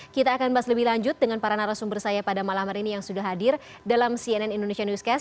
kita akan bahas lebih lanjut dengan para narasumber saya pada malam hari ini yang sudah hadir dalam cnn indonesia newscast